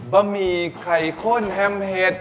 ะหมี่ไข่ข้นแฮมเห็ด